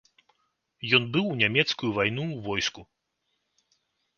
Ён быў у нямецкую вайну ў войску.